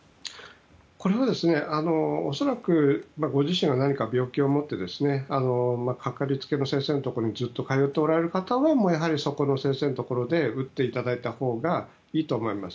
これは恐らくご自身が何か病気を持っていてかかりつけの先生のところにずっと通っておられる方はやはり、そこの先生のところで打っていただいたほうがいいと思います。